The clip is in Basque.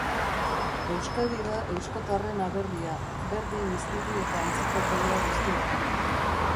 Euskadi da euskotarren aberria. Berdin hiztegi eta entziklopedia guztietan.